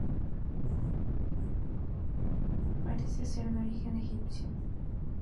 Parece ser de origen egipcio.